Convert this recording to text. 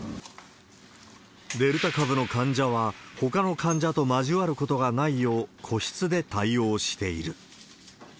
デルタ株の患者は、ほかの患者と交わることがないよう、個室で対応している。